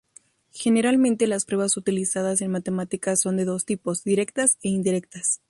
Generalmente, las pruebas utilizadas en matemáticas son de dos tipos: directas e indirectas.